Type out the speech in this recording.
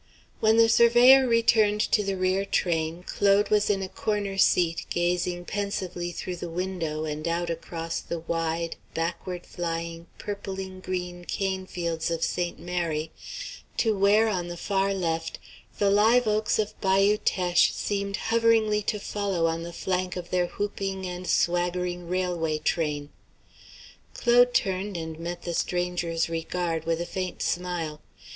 When the surveyor returned to the rear train, Claude was in a corner seat gazing pensively through the window and out across the wide, backward flying, purpling green cane fields of St. Mary, to where on the far left the live oaks of Bayou Teche seemed hoveringly to follow on the flank of their whooping and swaggering railway train. Claude turned and met the stranger's regard with a faint smile.